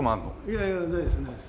いやいやないですないです。